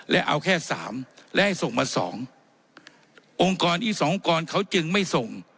และเอาแค่สามและให้ส่งมาสององค์กรอีกสององค์กรเขาจึงไม่ส่ง